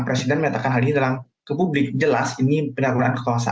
ke istana gitu jadi saya rasa